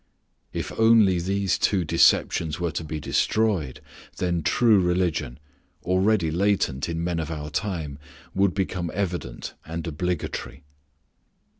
If only these two deceptions were to be destroyed, then true religion, already latent in men of our time, would become evident and obligatory.